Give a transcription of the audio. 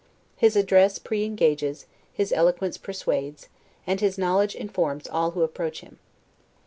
His address pre engages, his eloquence persuades, and his knowledge informs all who approach him.